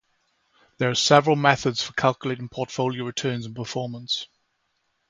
There are several methods for calculating portfolio returns and performance.